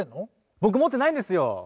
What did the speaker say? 僕持ってないんですよ！